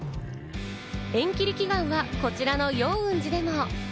縁切り祈願はこちらの陽運寺でも。